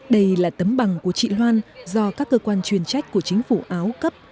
đây là tấm bằng của chị loan do các cơ quan chuyên trách của chính phủ áo cấp